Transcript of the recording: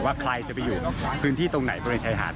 ว่าใครจะไปอยู่พื้นที่ตรงไหนก็เลยใช้หาด